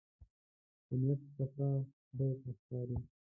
د نيت صفا خدای ته ښکاري.